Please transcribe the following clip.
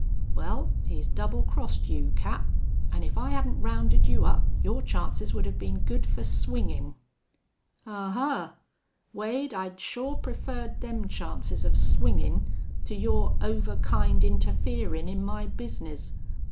"Well, he's double crossed you, Cap. An' if I hadn't rounded you up your chances would have been good for swingin'." "Ahuh! Wade, I'd sure preferred them chances of swingin' to your over kind interferin' in my bizness.